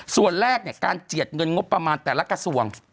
ส่วนแรกการเจียดเงินงบประมาณแต่ละกระทรวง